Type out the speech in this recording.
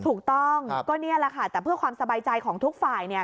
ถูกต้องก็นี่แหละค่ะแต่เพื่อความสบายใจของทุกฝ่ายเนี่ย